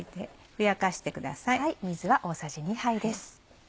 水は大さじ２杯です。